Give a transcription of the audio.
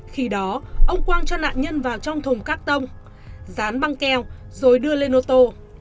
khi đó ông quang cho nạn nhân vào trong thùng các tông dán băng keo rồi đưa lên ô tô